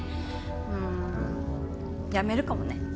うーん辞めるかもね。